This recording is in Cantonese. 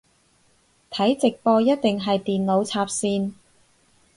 睇直播一定係電腦插線